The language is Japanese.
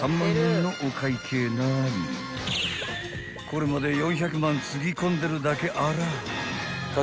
［これまで４００万つぎ込んでるだけあらぁ］